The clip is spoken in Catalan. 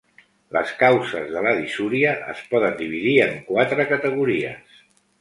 Les causes de la disúria es poden dividir en quatre categories.